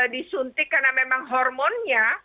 disuntik karena memang hormonnya